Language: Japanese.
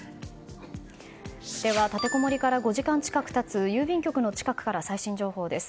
では、立てこもりから５時間近く経つ郵便局の近くから最新情報です。